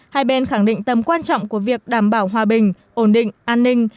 hai bên khẳng định tầm quan trọng của việc đảm bảo hòa bình ổn định an ninh